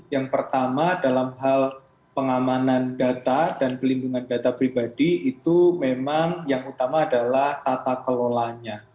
yang pertama dalam hal pengamanan data dan pelindungan data pribadi itu memang yang utama adalah tata kelolanya